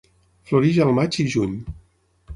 Floreix al maig i juny.